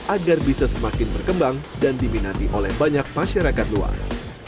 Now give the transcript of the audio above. agar bisa semakin berkembang dan diminati oleh banyak masyarakat luas